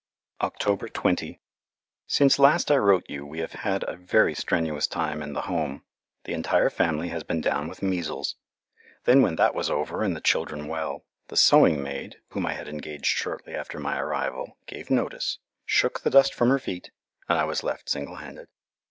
October 20 Since last I wrote you we have had a very strenuous time in the Home; the entire family has been down with measles. Then when that was over and the children well, the sewing maid, whom I had engaged shortly after my arrival, gave notice, shook the dust from her feet, and I was left single handed.